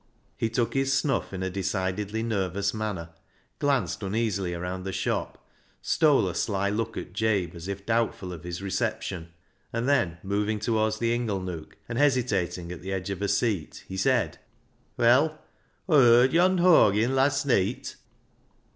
He took his snuff in a decidedly nervous manner, glanced uneasily round the shop, stole a sly look at Jabe as if doubtful of his reception, and then moving towards the inglenook, and hesitating at the edge of a seat, he said —" Well, Aw yerd yond' horgin last neet."